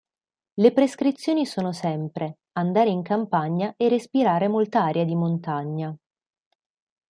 Le prescrizioni sono sempre: andare in campagna e respirare molta aria di montagna.